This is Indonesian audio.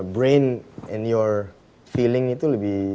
brain and your feeling itu lebih